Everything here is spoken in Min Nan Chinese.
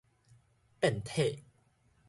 遍體